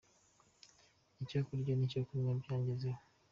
Icyo kurya nicyo kunywa byangezeho